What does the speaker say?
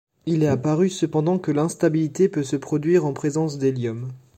Il est apparu cependant que l'instabilité peut se produire en présence d'hélium.